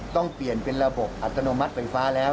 ต้องเปลี่ยนเป็นระบบอัตโนมัติไฟฟ้าแล้ว